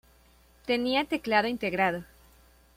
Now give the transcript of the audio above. Tenía teclado integrado.